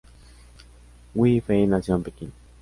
Wu Fei nació en Pekín.